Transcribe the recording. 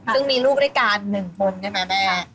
ซึ่งมีลูกด้วยกัน๑คนใช่ไหมแม่